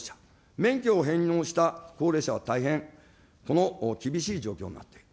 免許を返納した高齢者は大変厳しい状況になっている。